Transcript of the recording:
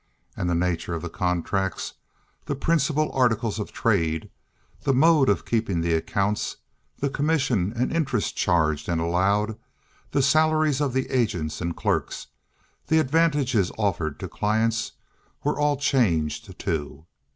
And the nature of the contracts, the principal articles of trade, the mode of keeping the accounts, the commission and interest charged and allowed, the salaries of the agents and clerks, the advantages offered to clients, were all changed too.